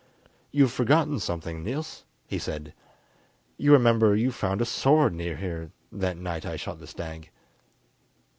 "You've forgotten something, Niels," he said; "you remember you found a sword near here that night I shot the stag."